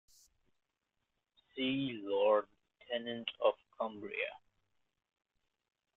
See "Lord Lieutenant of Cumbria".